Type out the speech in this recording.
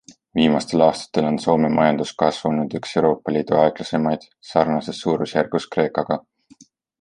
Viimastel aastatel on Soome majanduskasv olnud üks Euroopa Liidu aeglasemaid, sarnases suurusjärgus Kreekaga.